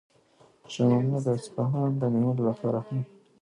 شاه محمود د اصفهان د نیولو لپاره حرکت کوي.